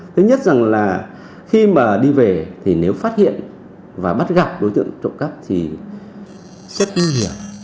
thứ nhất rằng là khi mà đi về thì nếu phát hiện và bắt gặp đối tượng trộm cắp thì rất nguy hiểm